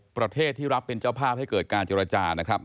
ประเทศที่รับเป็นเจ้าภาพให้เกิดการเจรจานะครับ